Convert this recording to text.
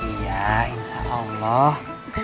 iya insya allah